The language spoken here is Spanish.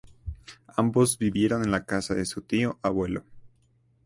Ambos vivieron en la casa de su tío abuelo.